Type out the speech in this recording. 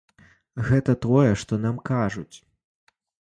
Гэта тое, што нам кажуць.